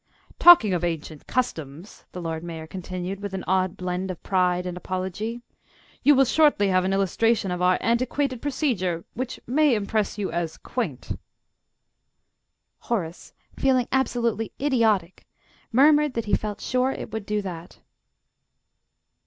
"Talking of ancient customs," the Lord Mayor continued, with an odd blend of pride and apology, "you will shortly have an illustration of our antiquated procedure, which may impress you as quaint." Horace, feeling absolutely idiotic, murmured that he felt sure it would do that.